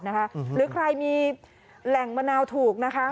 หรือใครมีแหล่งมะนาวถูกนะคะ